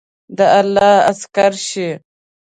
د الله عسکر شئ!